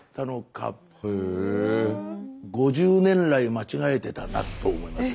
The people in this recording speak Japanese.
５０年来間違えてたなと思いました。